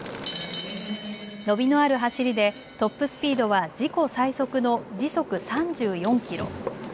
伸びのある走りでトップスピードは自己最速の時速３４キロ。